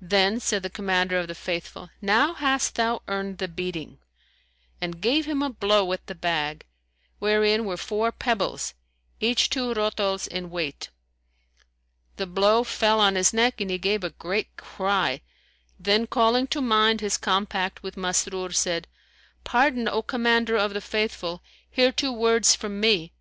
Then said the Commander of the Faithful, "Now hast thou earned the beating," and gave him a blow with the bag, wherein were four pebbles each two rotols in weight. The blow fell on his neck and he gave a great cry, then calling to mind his compact with Masrur, said, "Pardon, O Commander of the Faithful! Hear two words from me."